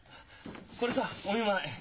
これさお見舞い。